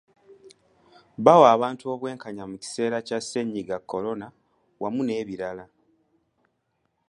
Bawa abantu obwenkanya mu kiseera kya ssennyiga korona awamu n'ebirala.